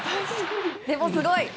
でも、すごい。